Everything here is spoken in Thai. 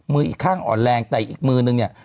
อีกข้างอ่อนแรงแต่อีกมือนึงเนี่ย